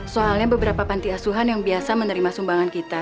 soalnya beberapa panti asuhan yang biasa menerima sumbangan kita